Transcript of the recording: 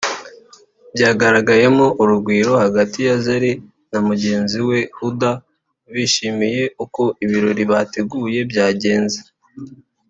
byagaragayemo urugwiro hagati ya Zari na mugenzi we Huddah bishimiye uko ibirori bateguye byagenze